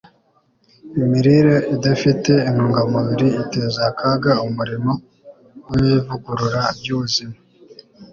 imirire idafite intungamubiri iteza akaga umurimo w'ivugurura ry'ubuzima